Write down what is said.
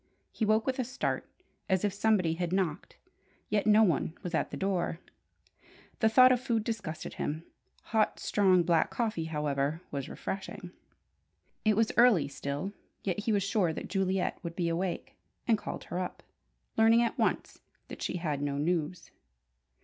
He woke with a start, as if somebody had knocked; yet no one was at the door. The thought of food disgusted him; hot, strong black coffee, however, was refreshing. It was early still, yet he was sure that Juliet would be awake, and called her up, learning at once that she had no news.